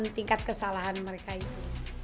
tingkat kesalahan mereka itu